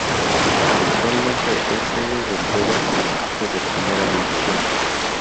Actualmente es sede de pruebas del equipo de Primera División.